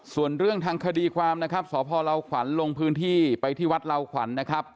ส่วนเรื่องทางคดีความนะครับสพลาวขวัญลงพื้นที่ไปที่วัดลาวขวัญนะครับ